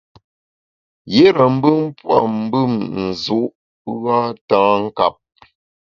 Yire mbùm pua’ mbùm nzu’ gha tâ nkap.